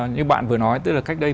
như bạn vừa nói tức là cách đây